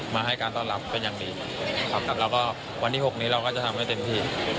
มาให้การต้อนรับเป็นอย่างดีครับแล้วก็วันที่๖นี้เราก็จะทำให้เต็มที่